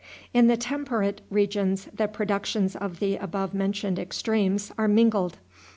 In the temperate regions the productions of the above mentioned extremes are mingled.